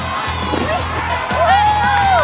แสบเวลา